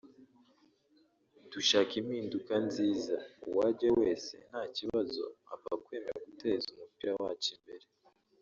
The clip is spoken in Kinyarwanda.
dushaka impinduka nziza uwajyaho wese nta kibazo apfa kwemera guteza umupira wacu imbere